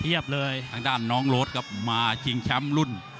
เลยทางด้านน้องโรดครับมาชิงแชมป์รุ่น